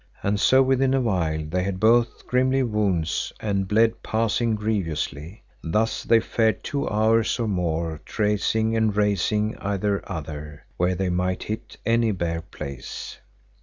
And so within a while they had both grimly wounds, and bled passing grievously. Thus they fared two hours or more trasing and rasing either other, where they might hit any bare place.